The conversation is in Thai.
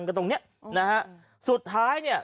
ตรงเนี้ยนะฮะสุดท้ายเนี่ย